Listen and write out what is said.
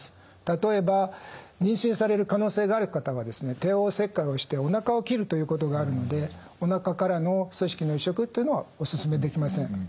例えば妊娠される可能性がある方はですね帝王切開をしておなかを切るということがあるのでおなかからの組織の移植というのはお勧めできません。